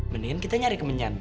mendingan kita nyari kemenyan